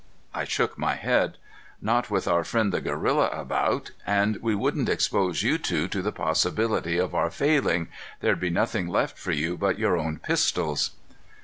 I shook my head. "Not with our friend the gorilla about. And we wouldn't expose you two to the possibility of our failing. There'd be nothing left for you but your own pistols."